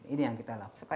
ini yang kita lakukan